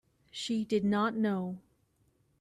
She did not know.